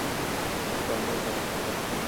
قرباني غواړي.